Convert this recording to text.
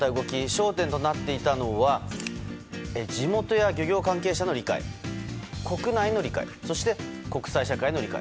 焦点となっていたのは地元や漁業関係者の理解国内の理解そして、国際社会の理解。